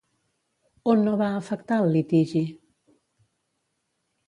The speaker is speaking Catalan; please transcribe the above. On no va afectar el litigi?